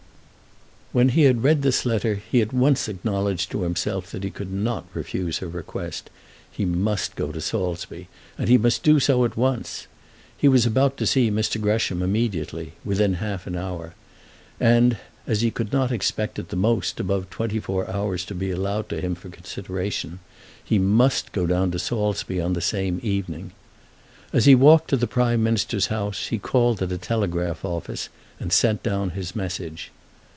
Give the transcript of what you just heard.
When he had read this letter he at once acknowledged to himself that he could not refuse her request. He must go to Saulsby, and he must do so at once. He was about to see Mr. Gresham immediately, within half an hour; and as he could not expect at the most above twenty four hours to be allowed to him for consideration, he must go down to Saulsby on the same evening. As he walked to the Prime Minister's house he called at a telegraph office and sent down his message.